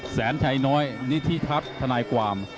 แสนชัยน้อยนิธิทัศน์ทนายความ